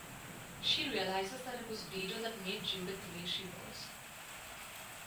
She realizes that it was Dido that made Judith the way she was.